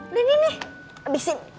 udah nih nih abisin